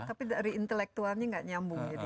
tapi dari intelektualnya tidak nyambung